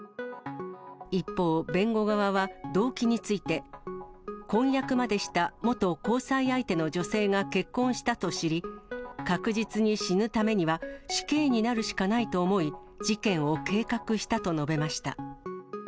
一方、弁護側は動機について、婚約までした元交際相手の女性が結婚したと知り、確実に死ぬためには、死刑になるしかないと思い、事件を計画したと述べました。